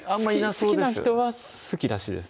好きな人は好きらしいです